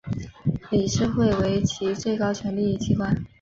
理事会为其最高权力机关。